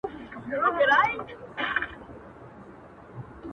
ماته خوښي راكوي ـ